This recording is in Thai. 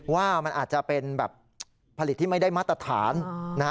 ว่ามันอาจจะเป็นแบบผลิตที่ไม่ได้มาตรฐานนะฮะ